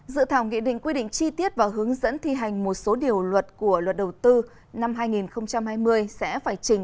dự thảo nghị định quy định chi tiết và hướng dẫn thi hành một số điều luật của luật đầu tư năm hai nghìn hai mươi sẽ phải trình